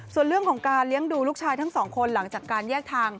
ส่วนเรื่องของการเลี้ยงดูลูกชายทั้งสองคนหลังจากการแยกทาง